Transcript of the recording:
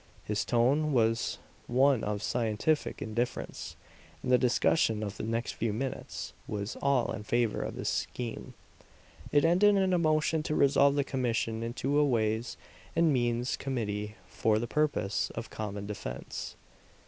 His tone was one of scientific indifference; and the discussion of the next few minutes was all in favor of his scheme. It ended in a motion to resolve the commission into a ways and means committee for the purpose of common defense.